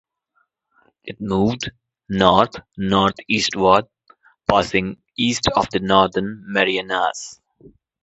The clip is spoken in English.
It moved north-northeastward, passing east of the Northern Marianas.